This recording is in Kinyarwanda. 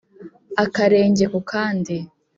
akarenge ku kandi